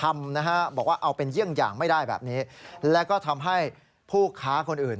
ไม่ได้แบบนี้และก็ทำให้ผู้ค้าคนอื่น